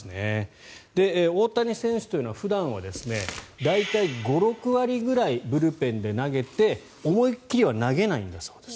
大谷選手というのは普段は大体５６割ぐらいブルペンで投げて思いっ切りは投げないんだそうです。